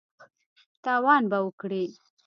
تاوان به وکړې !